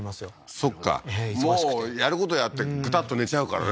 そっかもうやることやってグタッと寝ちゃうからね